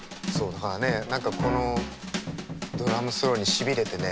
だからね何かこのドラムソロにしびれてね